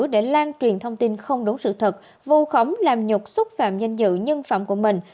để lan truyền thông tin không đúng sự thật vu khống làm nhục xúc phạm danh dự nhân phẩm của mình